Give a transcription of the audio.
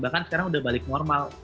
bahkan sekarang udah balik normal